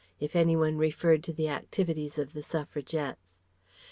if any one referred to the activities of the Suffragettes.